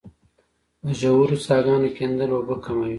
د ژورو څاګانو کیندل اوبه کموي